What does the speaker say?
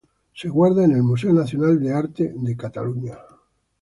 Se guarda en el Museo Nacional de Arte de Cataluña.